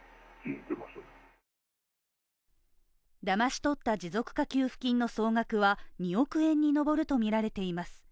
騙し取った持続化給付金の総額は２億円に上るとみられています。